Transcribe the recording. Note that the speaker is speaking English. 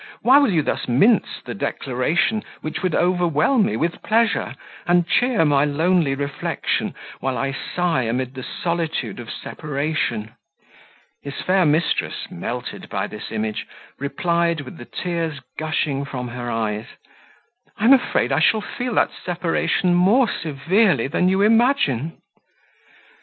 Why will you thus mince the declaration which would overwhelm me with pleasure, and cheer my lonely reflection, while I sigh amid the solitude of separation?" His fair mistress, melted by this image, replied, with the tears gushing from her eyes, "I'm afraid I shall feel that separation more severely than you imagine."